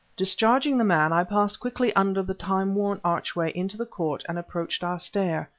Discharging the man, I passed quickly under the time worn archway into the court and approached our stair.